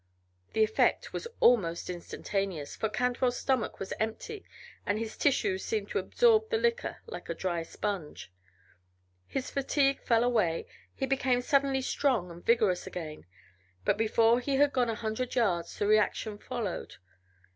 The effect was almost instantaneous, for Cantwell's stomach was empty and his tissues seemed to absorb the liquor like a dry sponge; his fatigue fell away, he became suddenly strong and vigorous again. But before he had gone a hundred yards the reaction followed.